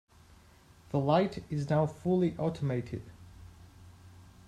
The light is now fully automated.